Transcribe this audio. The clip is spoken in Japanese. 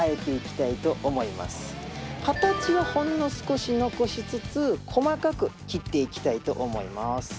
形をほんの少し残しつつ細かく切っていきたいと思います。